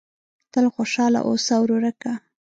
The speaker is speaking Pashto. تل خوشاله اوسه ورورکه !